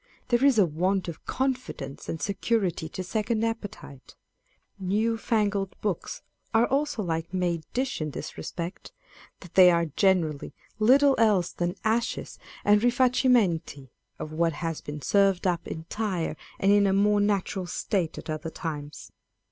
There is a want of confidence and security to second appetite. New fangled books are also like made dishes in this respect, that they are generally little else than hashes and rifaccimenti of what has been served up entire and in a more natural state at other times.